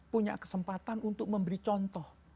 punya kesempatan untuk memberi contoh